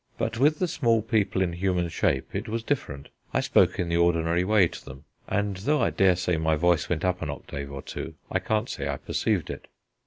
But with the small people in human shape it was different. I spoke in the ordinary way to them, and though I dare say my voice went up an octave or two, I can't say I perceived it.